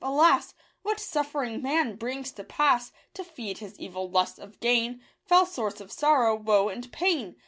Alas ! What suffering man brings to pass To feed his evil lust of gain — Fell source of sorrow, woe, and pain